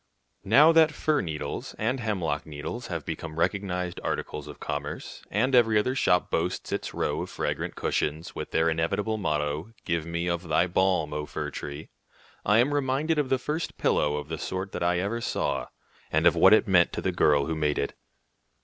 Now that fir needles and hemlock needles have become recognized articles of commerce, and every other shop boasts its row of fragrant cushions, with their inevitable motto, "Give Me of Thy Balm, O Fir tree," I am reminded of the first pillow of the sort that I ever saw, and of what it meant to the girl who made it.